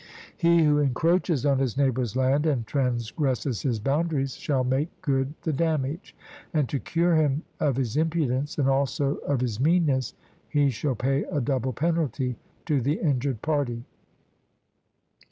He who encroaches on his neighbour's land, and transgresses his boundaries, shall make good the damage, and, to cure him of his impudence and also of his meanness, he shall pay a double penalty to the injured party.